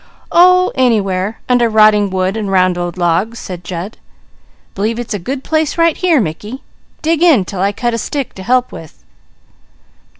"Oh anywhere under rotting wood and round old logs," said Jud. "B'lieve it's a good place right here, Mickey; dig in till I cut a stick to help with."